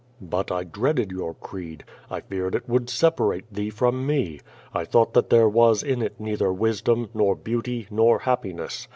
But I dreaded your creed. I feared it would separate thee from me. I thought that there was in it neither wisdom, nor beauty, nor happiness.